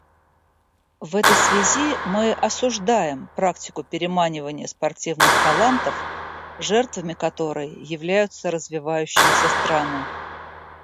В этой связи мы осуждаем практику переманивания спортивных талантов, жертвами которой являются развивающиеся страны.